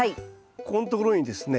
ここんところにですね